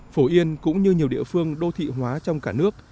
phổ yên cũng như nhiều địa phương đô thị hóa trong cả nước